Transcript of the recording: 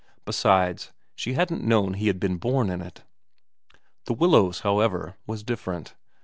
Besides, she hadn't known he had been born in it. The Willows, however, was different.